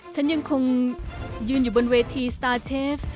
ฉันยังคงยืนอยู่บนเวทีสตาร์เชฟ